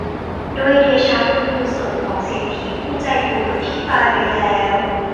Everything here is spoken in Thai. ด้วยเดชะบุญกุศลของเศรษฐีผู้ใจบุญที่ตายไปแล้ว